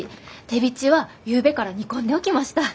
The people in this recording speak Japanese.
てびちはゆうべから煮込んでおきました。